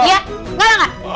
enggak lah gak